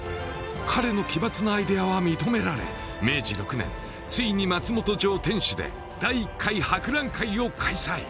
彼の奇抜なアイデアは認められ明治６年ついに松本城天守で第１回博覧会を開催